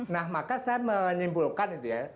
nah maka saya menyimpulkan itu ya